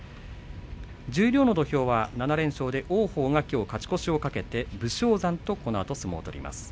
十両の土俵は７連勝で王鵬がきょう勝ち越しを懸けて武将山とこのあと相撲を取ります。